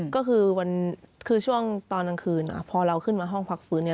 ก็คือช่วงตอนกลางคืนพอเราขึ้นมาห้องพักฟื้นเนี่ย